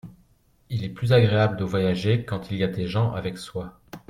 Il est plus agréable de voyager quand il y a des gens avec soi.